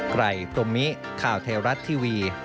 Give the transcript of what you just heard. ไกรพรมมิข่าวเทราะท์ทีวี